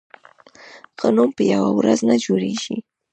ښه نوم په یوه ورځ نه جوړېږي.